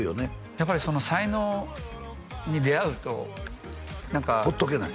やっぱりその才能に出会うとほっとけない？